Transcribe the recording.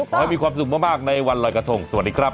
ขอให้มีความสุขมากในวันลอยกระทงสวัสดีครับ